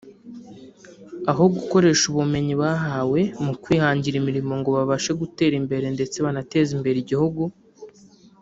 aho gukoresha ubumenyi bahawe mu kwihangira imirimo ngo babashe gutera imbere ndetse banateze imbere igihugu